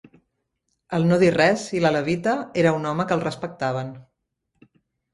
El no dir res, i la levita, era un home que el respectaven